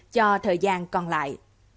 cho thời gian còn lại